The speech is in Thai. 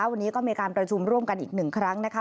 วันนี้ก็มีการประชุมร่วมกันอีกหนึ่งครั้งนะคะ